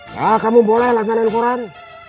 ya kamu boleh langganan koran